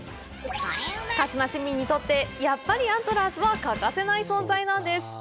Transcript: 鹿嶋市民にとってやっぱりアントラーズは欠かせない存在なんです。